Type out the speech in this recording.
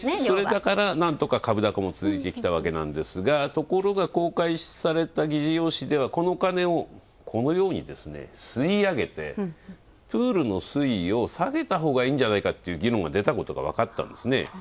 それだから、なんとか株高も続いてきたんですがところが、公開された議事要旨ではこのお金を、このように吸い上げて、プールの水位を下げたほうがいいんじゃないかという議論が出たことが分かったんですね。